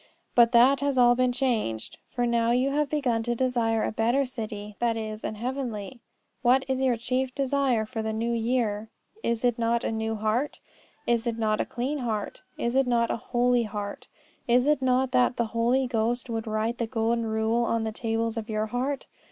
But that has all been changed. For now you have begun to desire a better city, that is, an heavenly. What is your chief desire for this New Year? Is it not a new heart? Is it not a clean heart? Is it not a holy heart? Is it not that the Holy Ghost would write the golden rule on the tables of your heart?